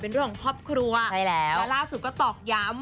เป็นเรื่องครอบครัวแล้วล่าสุดก็ตอบยำ